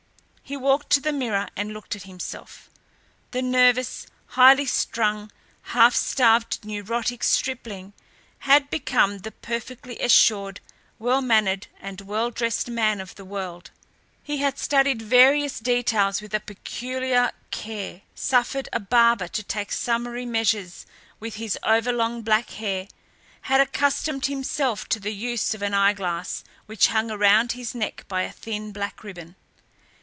He walked to the mirror and looked at himself. The nervous, highly strung, half starved, neurotic stripling had become the perfectly assured, well mannered, and well dressed man of the world. He had studied various details with a peculiar care, suffered a barber to take summary measures with his overlong black hair, had accustomed himself to the use of an eyeglass, which hung around his neck by a thin, black ribbon.